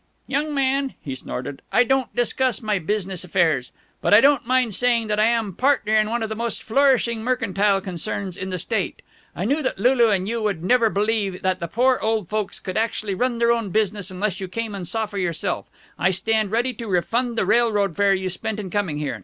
"Young man," he snorted, "I don't discuss my business affairs. But I don't mind saying that I am partner in one of the most flourishing mercantile concerns in the State. I knew that Lulu and you would never believe that the poor old folks could actually run their own business unless you came and saw for yourself. I stand ready to refund the railroad fare you spent in coming here.